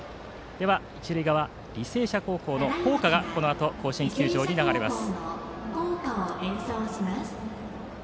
では、一塁側履正社高校の校歌が甲子園球場に流れます。